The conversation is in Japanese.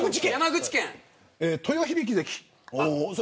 豊響関。